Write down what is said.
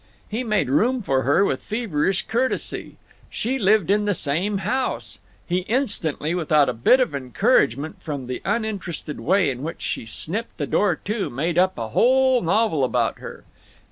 He made room for her with feverish courtesy. She lived in the same house—He instantly, without a bit of encouragement from the uninterested way in which she snipped the door to, made up a whole novel about her.